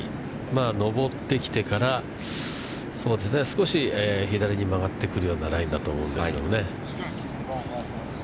上ってきてから、そうですね、少し左に曲がってくるようなラインだと思うんですけどね。